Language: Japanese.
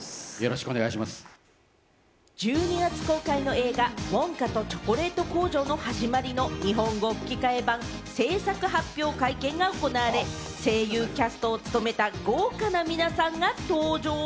１２月公開の映画『ウォンカとチョコレート工場のはじまり』の日本語吹き替え版制作発表会見が行われ、声優キャストを務めた豪華な皆さんが登場。